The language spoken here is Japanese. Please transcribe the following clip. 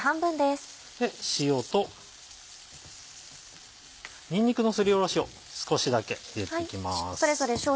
塩とにんにくのすりおろしを少しだけ入れていきます。